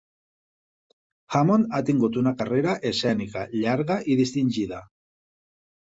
Hammond ha tingut una carrera escènica llarga i distingida.